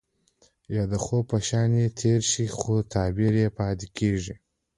يا د خوب په شانې تير شي خو تعبير يې پاتې کيږي.